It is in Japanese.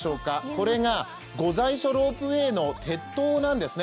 これが御在所ロープウェイの鉄塔なんですね。